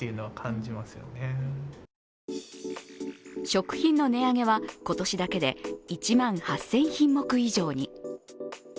食品の値上げは、今年だけで１万８０００品目以上に。